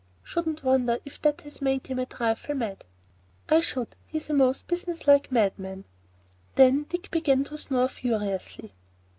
"Shouldn't wonder if that has made him a trifle mad." "I should. He's a most businesslike madman." Then Dick began to snore furiously.